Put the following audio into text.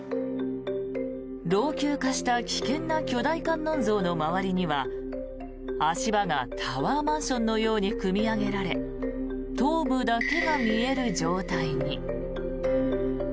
老朽化した危険な巨大観音像の周りには足場がタワーマンションのように組み上げられ頭部だけが見える状態に。